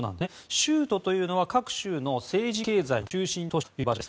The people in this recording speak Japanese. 州都というのは各州の政治・経済の中心都市という場所です。